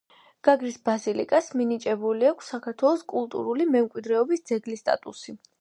გაგრის ბაზილიკას მინიჭებული აქვს საქართველოს კულტურული მემკვიდრეობის ძეგლის სტატუსი.